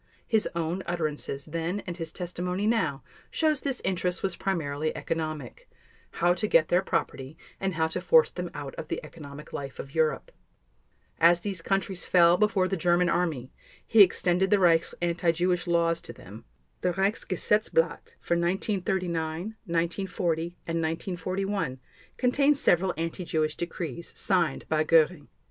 His own utterances then and his testimony now shows this interest was primarily economic—how to get their property and how to force them out of the economic life of Europe. As these countries fell before the German Army, he extended the Reich's anti Jewish laws to them; the Reichsgesetzblatt for 1939, 1940, and 1941 contains several anti Jewish decrees signed by Göring.